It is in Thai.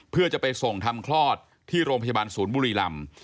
เพื่อจะไปส่งทำคลอดที่โรงพยาบาลศูนย์บุรีลำ